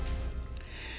senang aja dah